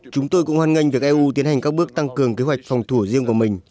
chúng tôi cũng hoan nghênh việc eu tiến hành các bước tăng cường kế hoạch phòng thủ riêng của mình